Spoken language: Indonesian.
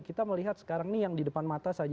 kita melihat sekarang ini yang di depan mata saja